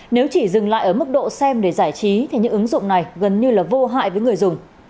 nếu chỉ dừng lại ở mức độ xem để giải trí thì những ứng dụng này gần như là vô hại với người dùng